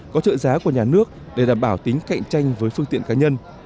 có trợ giá của nhà nước để đảm bảo tính cạnh tranh với phương tiện cá nhân